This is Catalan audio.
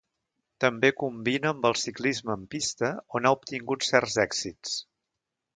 També combina amb el ciclisme en pista, on ha obtingut certs èxits.